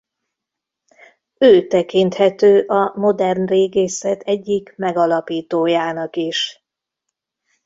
Ő tekinthető a modern régészet egyik megalapítójának is.